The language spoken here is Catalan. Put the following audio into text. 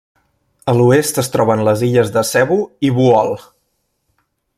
A l'oest es troben les illes de Cebu i Bohol.